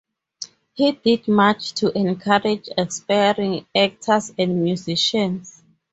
He did much to encourage aspiring actors and musicians.